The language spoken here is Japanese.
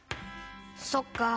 ☎そっか。